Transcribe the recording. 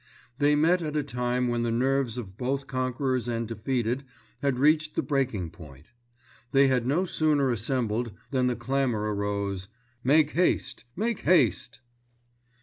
They met at a time when the nerves of both conquerors and defeated had reached the breaking point. They had no sooner assembled than the clamour arose, "Make haste. Make haste."